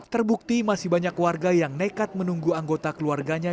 terbukti masih banyak warga yang nekat menunggu anggota keluarganya